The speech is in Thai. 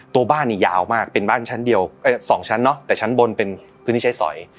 ตัวบ้านนี่ยาวมากเป็นบ้านชั้นเดียว๒ชั้นเนอะแต่ชั้นบนเป็นพื้นที่ใช้สอย